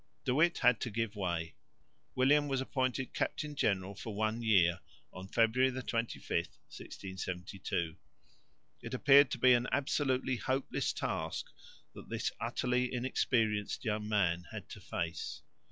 De Witt had to give way. William was appointed captain general for one year (February 25, 1672). It appeared to be an absolutely hopeless task that this utterly inexperienced young man had to face.